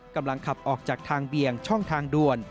กำลังขับออกจากทางเบียงช่องทางด่วน